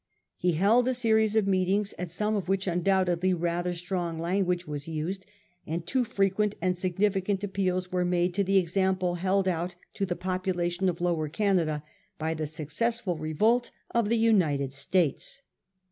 He held a series of meetings, at some of which undoubtedly rather strong language was used, and too frequent and significant appeals were made to the example held out to the population of Lower Ganada by the successful revolt of the United States.